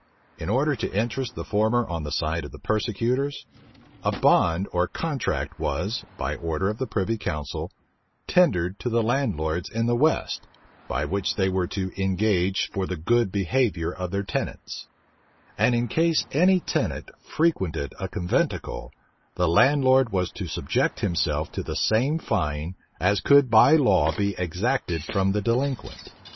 In order to interest the former on the side of the persecutors, a bond or contract was, by order of the privy council, tendered to the landlords in the west, by which they were to engage for the good behavior of their tenants; and in case any tenant frequented a conventicle, the landlord was to subject himself to the same fine as could by law be exacted from the delinquent.